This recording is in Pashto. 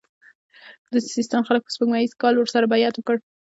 د سیستان خلکو په سپوږمیز کال ورسره بیعت وکړ.